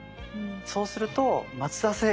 そうすると松田聖子